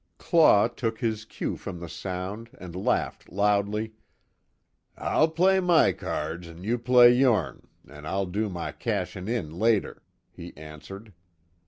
Claw took his cue from the sound and laughed loudly: "I'll play my cards, an' you play yourn, an' I'll do my cashin' in later," he answered.